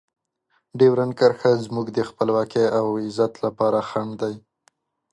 ډیورنډ کرښه زموږ د خپلواکۍ او عزت لپاره خنډ دی.